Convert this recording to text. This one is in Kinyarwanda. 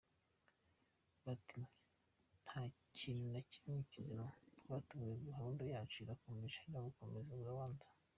Bati “Nta kintu na kimwe kizima batubwiye gahunda yacu irakomeje yo gukomeza urubanza”.